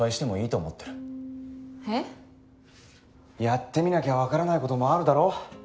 やってみなきゃわからない事もあるだろ？